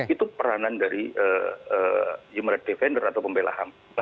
itu peranan dari human right defender atau pembelahan